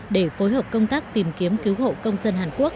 để phối hợp công tác tìm kiếm cứu hộ công dân hàn quốc